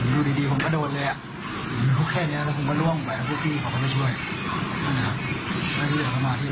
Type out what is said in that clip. ทำไมเขาบอกว่าพิษตัวพิษคนอะไรประมาณนี้